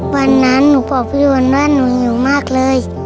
วันนั้นหนูบอกพี่ยวนว่าหนูหิวมากเลย